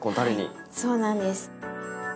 はいそうなんです。